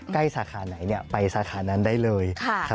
ใกล้สาขาไหนเนี่ยไปสาขานั้นได้เลย